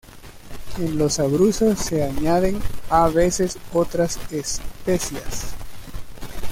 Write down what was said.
En los Abruzos se añaden a veces otras especias.